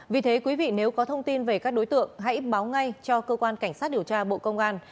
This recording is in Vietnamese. vì thế quý vị nếu có thông tin về các đối tượng hãy báo ngay cho cơ quan cảnh sát điều tra bộ công an